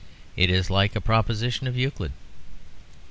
It is like a proposition of Euclid."